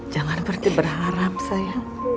jangan berdiri berharap sayang